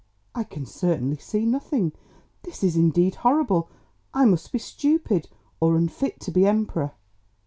"I can certainly see nothing! This is indeed horrible! I must be stupid, or unfit to be Emperor!